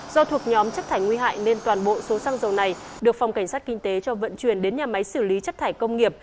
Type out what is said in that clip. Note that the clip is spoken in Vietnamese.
do thuộc nhóm chất thải nguy hại nên toàn bộ số xăng dầu này được phòng cảnh sát kinh tế cho vận chuyển đến nhà máy xử lý chất thải công nghiệp